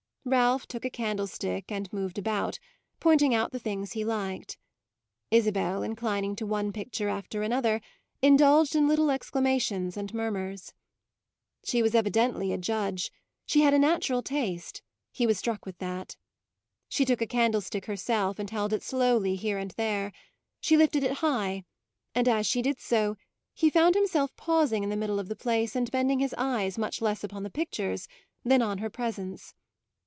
Ralph took a candlestick and moved about, pointing out the things he liked; Isabel, inclining to one picture after another, indulged in little exclamations and murmurs. She was evidently a judge; she had a natural taste; he was struck with that. She took a candlestick herself and held it slowly here and there; she lifted it high, and as she did so he found himself pausing in the middle of the place and bending his eyes much less upon the pictures than on her presence.